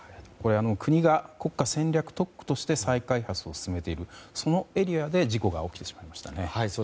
国が国家戦略特区として再開発を進めているそのエリアで事故が起きてしまいましたね。